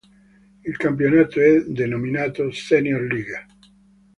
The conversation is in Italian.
Il campionato è denominato Senior League.